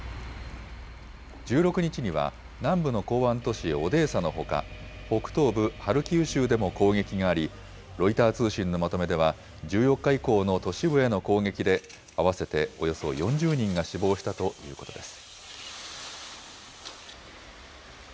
１６日には、南部の港湾都市オデーサのほか、北東部ハルキウ州でも攻撃があり、ロイター通信のまとめでは、１４日以降の都市部への攻撃で、合わせておよそ４０人が死亡したということです。